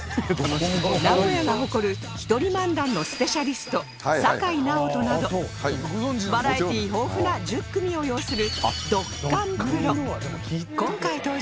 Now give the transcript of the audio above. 名古屋が誇る一人漫談のスペシャリスト酒井直斗などバラエティー豊富な１０組を擁する